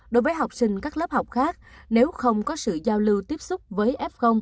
đối với học sinh các lớp học khác nếu không có sự giao lưu tiếp xúc với f